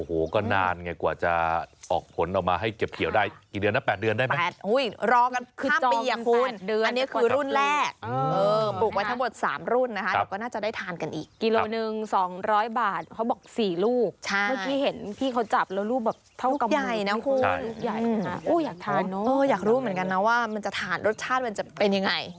โอ้โหก็นานไงกว่าจะออกผลออกมาให้เก็บเขียวได้กิ